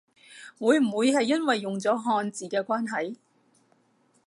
會唔會係因為用咗漢字嘅關係？